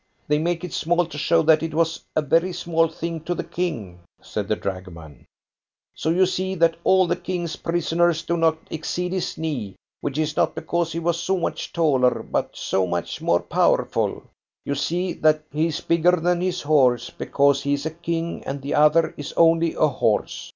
"They make it small to show that it was a very small thing to the King," said the dragoman. "So you see that all the King's prisoners do not exceed his knee which is not because he was so much taller, but so much more powerful. You see that he is bigger than his horse, because he is a king and the other is only a horse.